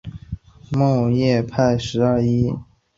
什叶派十二伊玛目派主要集中在霍姆斯。